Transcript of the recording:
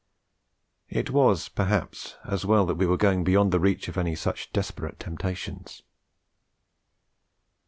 It was perhaps as well that we were going beyond the reach of any such desperate temptations.